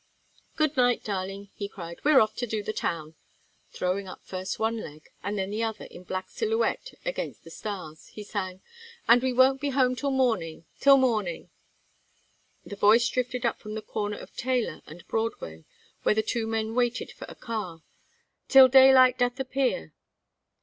"Good night, darling!" he cried. "We're off to do the town." Throwing up first one leg then the other in black silhouette against the stars, he sang: "And we won't be home till morning, till morning " The voice drifted up from the corner of Taylor and Broadway, where the two men waited for a car. "Till daylight doth appear."